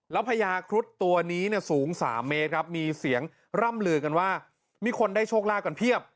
แล้วพญาครุฑตัวนี้สูง๓เมตรครับมีเสียงร่ำลือกันว่ามีคนได้โชคลาภกันเพียบ